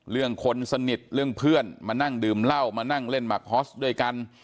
คนสนิทเรื่องเพื่อนมานั่งดื่มเหล้ามานั่งเล่นหมักฮอสด้วยกัน